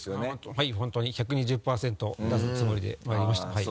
はい本当に１２０％出すつもりでまいりましたはい。